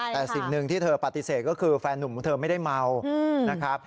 แต่สิ่งหนึ่งที่เธอปฏิเสธก็คือแฟนหนุ่มของเธอไม่ได้เมานะครับ